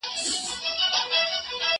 هغه وويل چي کتابتوني کار ضروري دي!؟